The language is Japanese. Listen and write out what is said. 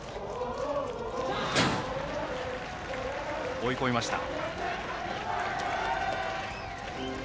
追い込みました。